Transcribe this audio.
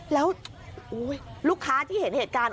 แล้วลูกค้าที่เห็นเหตุการณ์